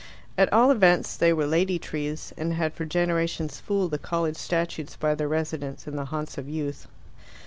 At all events they were lady trees, and had for generations fooled the college statutes by their residence in the haunts of youth.